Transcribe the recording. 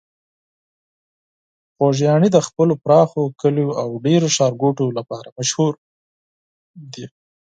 خوږیاڼي د خپلو پراخو کليو او ډیرو ښارګوټو لپاره مشهور ده.